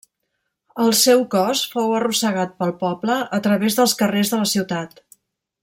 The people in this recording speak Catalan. El seu cos fou arrossegat pel poble a través dels carrers de la ciutat.